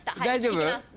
大丈夫？